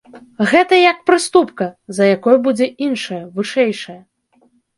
Гэта як прыступка, за якой будзе іншая, вышэйшая.